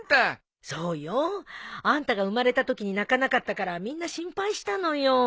そうよ。あんたが生まれたときに泣かなかったからみんな心配したのよ。